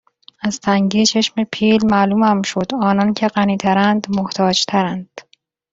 از تنگی چشم پیل معلومم شد آنان که غنی ترند محتاج ترند